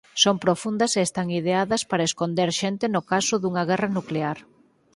Son profundas e están ideadas para esconder xente no caso dunha guerra nuclear.